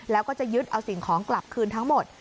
แล้วก็จะยึดเอาสิ่งของกลับคืนทั้งหมด